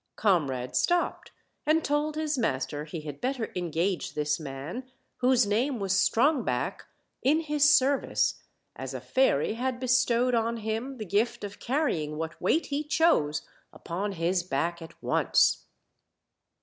Comrade stopped and told his mas ter he had better engage this man, whose name was Strongback, in his service, as a fairy had bestowed on him the gift of carrying what weight he chose upon his back at once.